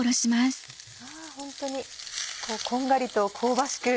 ホントにこんがりと香ばしく。